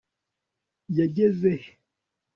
yageze he